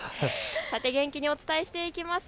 元気にお伝えしていきます。